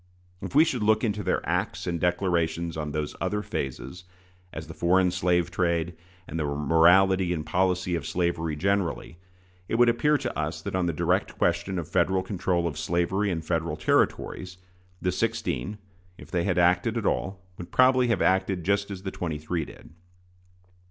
If we should look into their acts and declarations on those other phases, as the foreign slave trade, and the morality and policy of slavery generally, it would appear to us that on the direct question of Federal control of slavery in Federal Territories, the sixteen, if they had acted at all, would probably have acted just as the twenty three did.